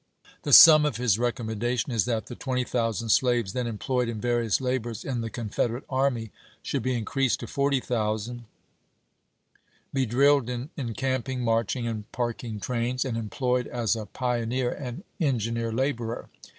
The sum of his recommendation is that the 20,000 slaves then employed in various labors in the Confederate army should be increased to 40,000, be drilled in " encamping, marching, and parking trains," and " employed as a pioneer and engineer laborer."